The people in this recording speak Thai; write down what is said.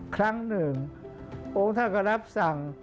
ครั้งหนึ่งองค์ท่านก็รับสั่ง